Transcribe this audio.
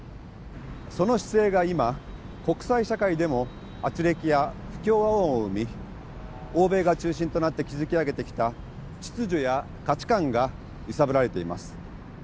その姿勢が今国際社会でもあつれきや不協和音を生み欧米が中心となって築き上げてきた秩序や価値観が揺さぶられています。